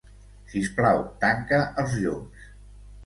Sisplau, tanca els llums.